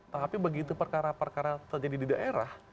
tapi begitu perkara perkara terjadi di daerah